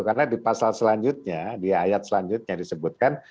karena di pasal selanjutnya di ayat selanjutnya disebutkan